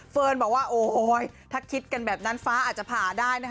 บอกว่าโอ๊ยถ้าคิดกันแบบนั้นฟ้าอาจจะผ่าได้นะคะ